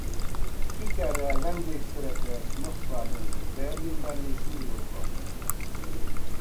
Sikerrel vendégszerepelt Moszkvában és Berlinben és New Yorkban is.